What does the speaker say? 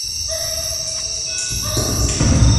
صبر د مؤمنانو تر ټولو غوره صفت دی.